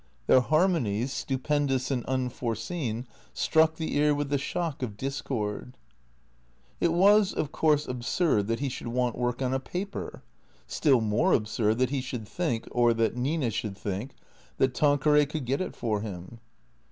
Their har monies, stupendous and unforeseen, struck the ear with the shock of discord. It was, of course, absurd that he should want work on a paper; still more absurd that he should think, or that Nina should think, that Tanqueray could get it for him.